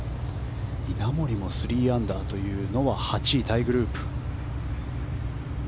稲森も３アンダーというのは８位タイグループ。